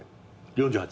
４８。